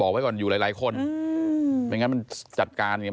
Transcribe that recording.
บอกไว้ก่อนอยู่หลายคนไม่งั้นมันจัดการเนี่ย